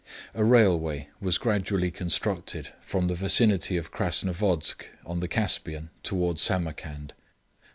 A railway was gradually constructed from the vicinity of Kras novodsk, on the Caspian, towards Samarcand.